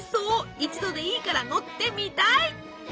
一度でいいから乗ってみたい！